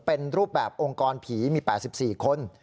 เป็นรูปแบบองค์กรผีมี๘๔คน